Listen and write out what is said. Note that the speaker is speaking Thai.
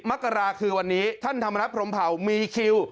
มกราคือวันนี้ท่านธรรมนัฐพรมเผามีคิว